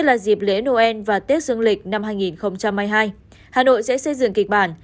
lễ nô en và tết dương lịch năm hai nghìn hai mươi hai hà nội sẽ xây dựng kịch bản